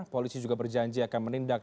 polisi juga berjanji akan menindak